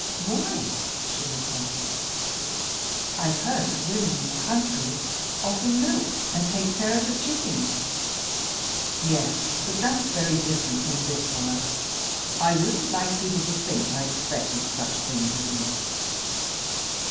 "Why," she replied, "I've heard that women in the country often milk and take care of the chickens." "Yes, but that's very different from this work. I wouldn't like people to think I expected such things of you."